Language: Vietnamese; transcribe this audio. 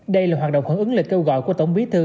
đây là hoạt động hỗn ứng lệch kêu gọi của tổng bí thư